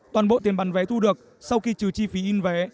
toàn bộ tiền bán vé thu được sau khi trừ chi phí in vé